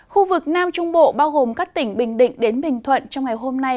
khu vực nam trung bộ bao gồm các tỉnh bình định đến bình thuận trong ngày hôm nay